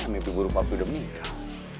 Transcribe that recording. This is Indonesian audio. ya mimpi buruk papi udah meninggal